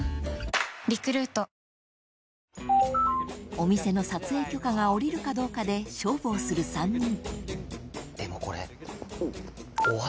お店の撮影許可が下りるかどうかで勝負をする３人うわ！